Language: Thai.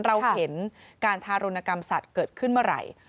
เราเห็นการทารุณกรรมสัตว์เกิดขึ้นเมื่อไหร่